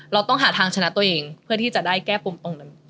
เราต้องหาทางชนะตัวเองเพื่อที่จะได้แก้ปุ่มตรงนั้น